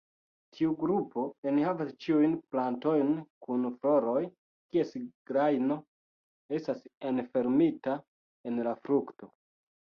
Tiu grupo enhavas ĉiujn plantojn kun floroj kies grajno estas enfermita en la frukto.